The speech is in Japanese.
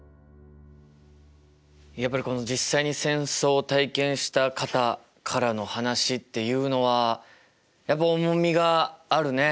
やっぱり実際に戦争を体験した方からの話っていうのは重みがあるね。